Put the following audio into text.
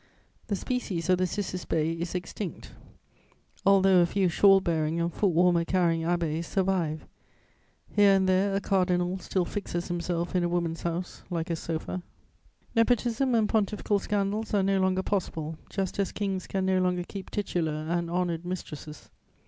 The species of the cicisbei is extinct, although a few shawl bearing and footwarmer carrying abbés survive; here and there, a cardinal still fixes himself in a woman's house like a sofa. Nepotism and pontifical scandals are no longer possible, just as kings can no longer keep titular and honoured mistresses.